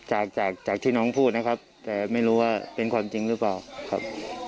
จากจากที่น้องพูดนะครับแต่ไม่รู้ว่าเป็นความจริงหรือเปล่าครับ